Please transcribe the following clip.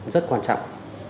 rất quan trọng